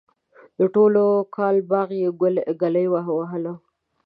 د ټول کال باغ یې گلی ووهلو.